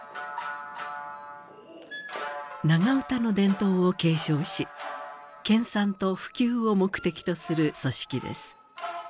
長唄の伝統を継承し研鑽と普及を目的とする組織です。